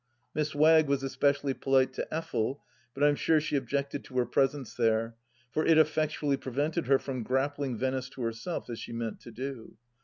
Miss Wagg was especially polite to Effel, but I'm sure she objected to her presence there, for it effectually prevented her from grappling Venice to herself, as she meant to do.